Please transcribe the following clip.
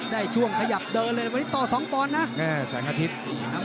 ได้ช่วงขยับเดินเลยวันนี้ต่อ๒ปอนด์นะ